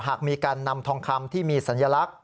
หากมีการนำทองคำที่มีสัญลักษณ